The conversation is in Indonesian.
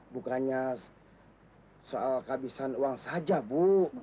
bukannya soal kehabisan uang saja bu